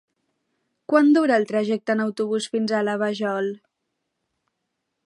Quant dura el trajecte en autobús fins a la Vajol?